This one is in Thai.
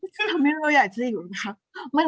ก็ทำให้เราอยากจะอยู่ในพัก